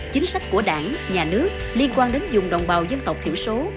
chính sách của đảng nhà nước liên quan đến dùng đồng bào dân tộc thiểu số